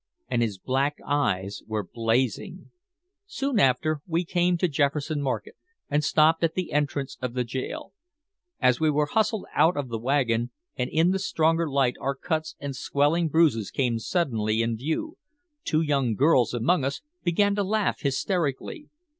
And his black eyes were blazing. Soon after, we came to Jefferson Market and stopped at the entrance of the jail. As we were hustled out of the wagon, and in the stronger light our cuts and swelling bruises came suddenly in view, two young girls among us began to laugh hysterically.